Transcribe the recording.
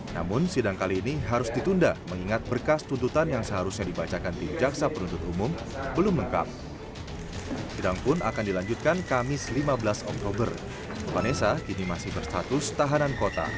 nanti kita tunggu aja hari kamis untuk baca tontonan